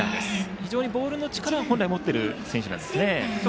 非常にボールの力を本来、持っているピッチャーです。